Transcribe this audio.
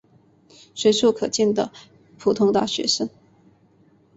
随处可见的普通大学生。